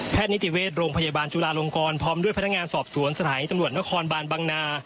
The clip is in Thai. นิติเวชโรงพยาบาลจุลาลงกรพร้อมด้วยพนักงานสอบสวนสถานีตำรวจนครบานบังนา